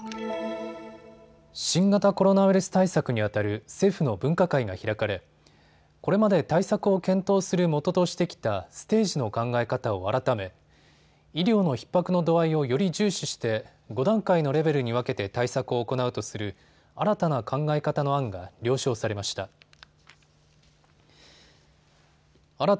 新型コロナウイルス対策にあたる政府の分科会が開かれこれまで対策を検討するもととしてきたステージの考え方を改め医療のひっ迫の度合いをより重視して５段階のレベルに分けて対策を行うとする新たな考え方の案が了承されました。